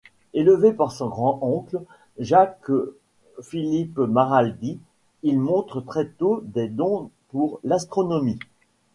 Élevé par son grand-oncle Jacques-Philippe Maraldi, il montre très tôt des dons pour l'astronomie.